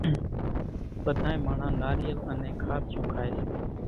ٻڌانئين ماڻۿان ناريل انين خارچون کائي سي